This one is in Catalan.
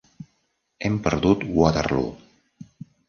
Hem perdut Waterloo.